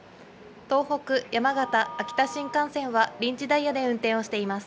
東北、山形、秋田新幹線は臨時ダイヤで運転をしています。